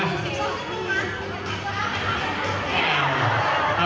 ไม่เอา